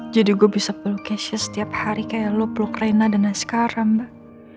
jadi gue bisa peluk kasia setiap hari kayak lo peluk reina dan naskara mbak